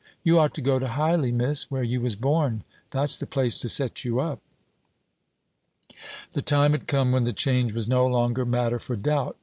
You ought to go to Hyley, miss, where you was born; that's the place to set you up." The time had come when the change was no longer matter for doubt.